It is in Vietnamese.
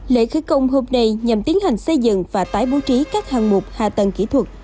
lễ khởi công hôm nay nhằm tiến hành xây dựng và tái bố trí các hàng mục hạ tầng kỹ thuật